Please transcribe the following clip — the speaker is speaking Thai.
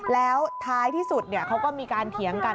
แล้วท้ายที่สุดเขาก็มีการเถียงกัน